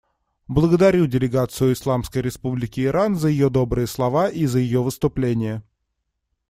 Благодарю делегацию Исламской Республики Иран за ее добрые слова и за ее выступление.